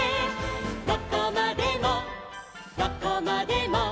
「どこまでもどこまでも」